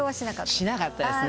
しなかったですね。